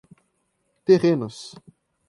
terrenos